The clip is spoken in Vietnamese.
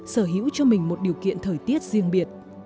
sở hữu cho mình một điều kiện thời tiết riêng biệt